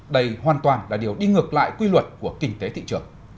đây hoàn toàn là điều đi ngược lại quy luật của kinh tế thị trường